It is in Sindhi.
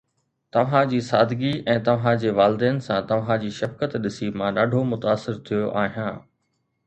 توهان جي سادگي ۽ توهان جي والدين سان توهان جي شفقت ڏسي مان ڏاڍو متاثر ٿيو آهيان